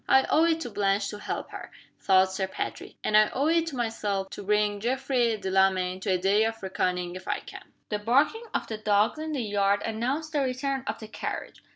"I owe it to Blanche to help her," thought Sir Patrick. "And I owe it to myself to bring Geoffrey Delamayn to a day of reckoning if I can." The barking of the dogs in the yard announced the return of the carriage.